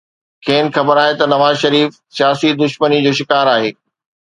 کين خبر آهي ته نواز شريف سياسي دشمني جو شڪار آهي.